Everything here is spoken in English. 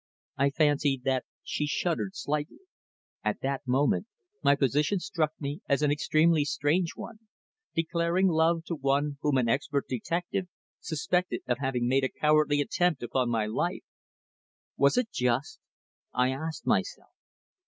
I fancied that she shuddered slightly. At that moment my position struck me as an extremely strange one, declaring love to one whom an expert detective suspected of having made a cowardly attempt upon my life. Was it just? I asked myself.